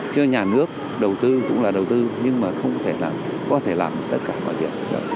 chứ nhà nước đầu tư cũng là đầu tư nhưng mà không có thể làm tất cả mọi chuyện